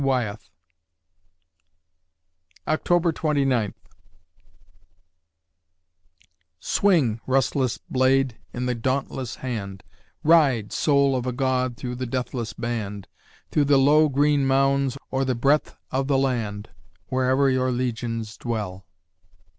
WYETH October Twenty Ninth Swing, rustless blade, in the dauntless hand; Ride, soul of a god, through the deathless band, Through the low green mounds, or the breadth of the land, Wherever your legions dwell!